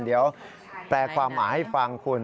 เดี๋ยวแปลความหมายให้ฟังคุณ